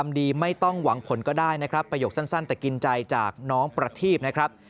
ดีไม่ต้องหวังผลก็ได้นะครับประโยคสั้นแต่กินใจจากน้องประทีบนะครับ